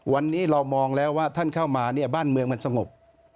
วันนี้เรามองแล้วว่าท่านเข้ามาเนี่ยบ้านเมืองมันสงบ